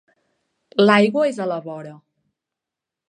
L'aigua és a la vora.